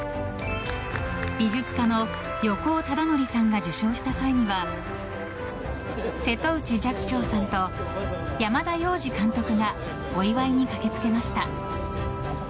美術家の横尾忠則さんが受賞した際には瀬戸内寂聴さんと山田洋次監督がお祝いに駆けつけました。